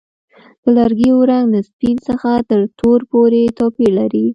د لرګي رنګ له سپین څخه تر تور پورې توپیر لري.